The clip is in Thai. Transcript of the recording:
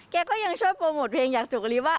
แกก็ยังช่วยโปรโมทเพลงอยากจุกะลิว่า